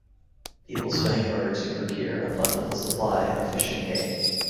People swing in order to procure a plentiful supply of fish and game.